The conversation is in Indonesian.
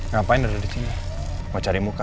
ngapain lu disini mau cari muka